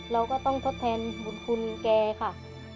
เราก็ต้องทดแทนบุญคุณแกค่ะ